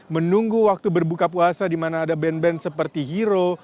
menunggu waktu berbuka puasa di mana ada band band seperti hero